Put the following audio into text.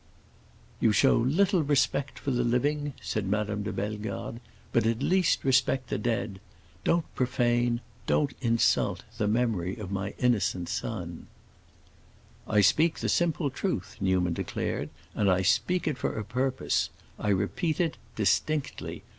"You show little respect for the living," said Madame de Bellegarde, "but at least respect the dead. Don't profane—don't insult—the memory of my innocent son." "I speak the simple truth," Newman declared, "and I speak it for a purpose. I repeat it—distinctly.